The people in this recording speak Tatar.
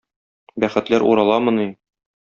Бәхетләр ураламыни...